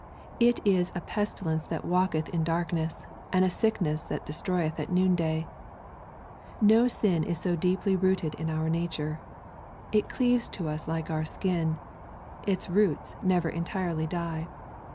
It is a pestilence that walketh in darkness, and a sickness that iestroyeth at noon day. — ^No sin is so deeply rooted in our nature. It cleaves to us like our skin. Its roots never entirely die.